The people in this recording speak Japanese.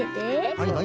はいはい。